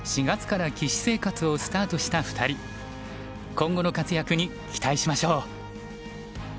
今後の活躍に期待しましょう。